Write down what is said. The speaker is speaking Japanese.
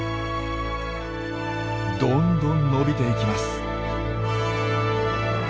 どんどん延びていきます。